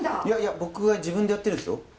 いやいや僕は自分でやってるんですよ。